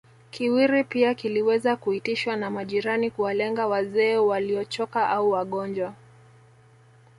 Kiwiri pia kiliweza kuitishwa na majirani kuwalenga wazee waliochoka au wagonjwa